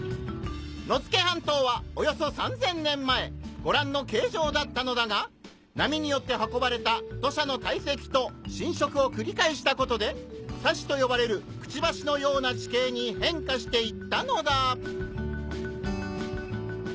野付半島はおよそ３０００年前ご覧の形状だったのだが波によって運ばれた土砂の堆積と侵食を繰り返したコトで砂嘴と呼ばれる嘴のような地形に変化していったのだ！